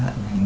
cháu mới hận